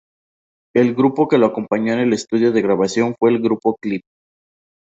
El grupo que lo acompañó en el estudio de grabación fue el Grupo Clip.